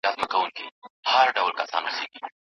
دا قول دي ومنم که بیرته ماتول ښه دي